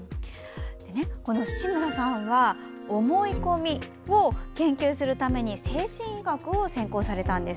志村さんは思い込みを研究するために精神医学を専攻されたんです。